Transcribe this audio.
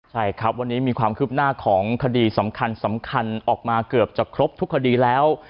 ใช่ครับวันนี้มีความคืบหน้าของคดีสำคัญสำคัญออกมาเกือบจะครบทุกคดีแล้ว